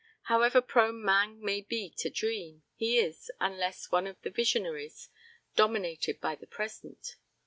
However prone man may be to dream, he is, unless one of the visionaries, dominated by the present.